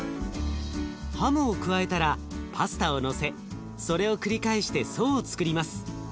ハムを加えたらパスタをのせそれを繰り返して層をつくります。